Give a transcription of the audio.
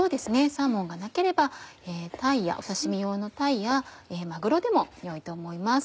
サーモンがなければ刺身用のタイやマグロでも良いと思います。